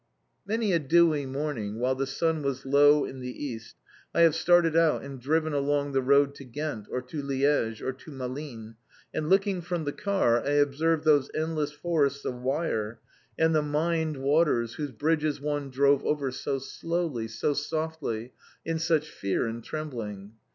Many a dewy morning, while the sun was low in the East, I have started out and driven along the road to Ghent, or to Liège, or to Malines, and looking from the car I observed those endless forests of wire, and the mined waters whose bridges one drove over so slowly, so softly, in such fear and trembling.